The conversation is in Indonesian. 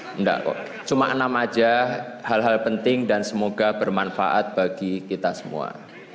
tidak kok cuma enam aja hal hal penting dan semoga bermanfaat bagi kita semua